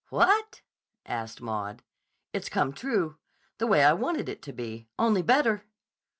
"What?" asked Maud. "It's come true. The way I wanted it to be. Only better."